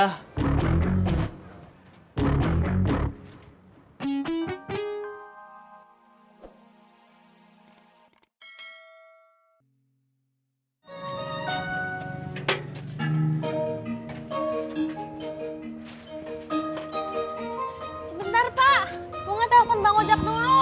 sebentar pak gue nge telepon bang ojak dulu